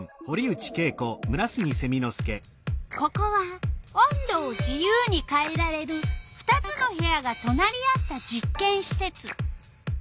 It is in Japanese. ここは温度を自由にかえられる２つの部屋がとなり合った実けんしせつ。